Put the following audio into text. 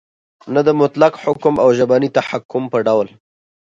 نه د مطلق حکم او ژبني تحکم په ډول